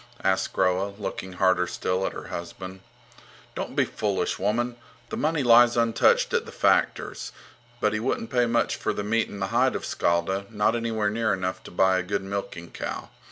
asked Groa, looking harder still at her husband. Don't be foolish, woman! The money lies untouched at the factor's. But he wouldn't pay much for the meat and hide of Skjalda, not anywhere near enough to buy a good milking cow.